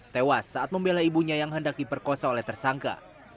tewas saat membela ibunya yang hendak diperkosa oleh tersangka